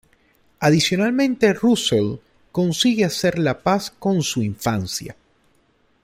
Adicionalmente Russell consigue hacer la paz con su infancia.